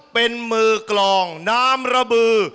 เป็นมือกลองน้ำระบือ